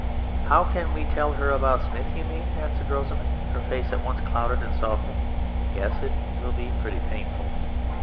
"How can we tell her about Smith, you mean," answered Rosamund, her face at once clouded and softening. "Yes, it will be pretty painful."